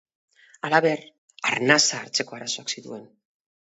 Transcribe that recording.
Halaber, arnasa hartzeko arazoak zituen.